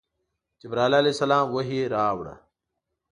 جبرائیل علیه السلام وحی راوړ.